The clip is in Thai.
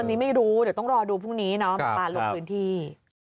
อันนี้ไม่รู้เดี๋ยวต้องรอดูพรุ่งนี้เนาะหมอปลาลงพื้นที่